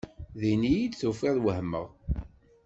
Din iyi-d-tufiḍ wehmeɣ.